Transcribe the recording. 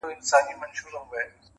دا زړه نه دی په کوګل کي مي سور اور دی-